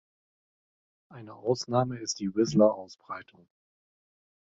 Eine Ausnahme ist die Whistler-Ausbreitung.